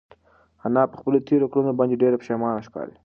انا په خپلو تېرو کړنو باندې ډېره پښېمانه ښکاري.